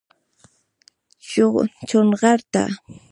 چونغرته